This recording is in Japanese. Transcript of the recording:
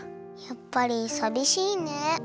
やっぱりさびしいね。